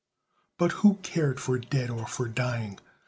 But who cared for dead or for dying?